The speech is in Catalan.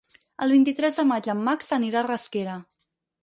El vint-i-tres de maig en Max anirà a Rasquera.